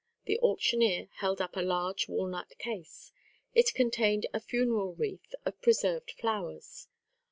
The auctioneer held up a large walnut case. It contained a funeral wreath of preserved flowers.